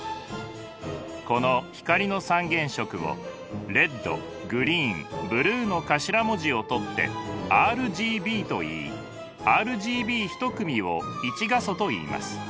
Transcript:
この光の三原色をレッドグリーンブルーの頭文字を取ってＲＧＢといいＲＧＢ１組を１画素といいます。